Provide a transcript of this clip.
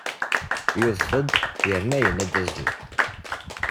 Yudef-d yerna yenna-d azul.